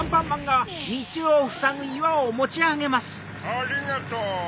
ありがとう。